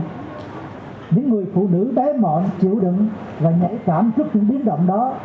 những người phụ nữ bé mọn chịu đựng và nhảy cảm trước những biến động đó